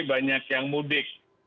banyak yang mudik